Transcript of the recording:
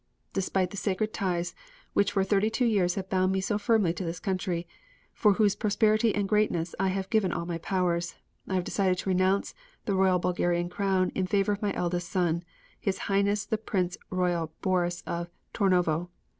Despite the sacred ties, which for thirty two years have bound me so firmly to this country, for whose prosperity and greatness I have given all my powers, I have decided to renounce the royal Bulgarian crown in favor of my eldest son, His Highness the Prince Royal Boris of Tirnovo.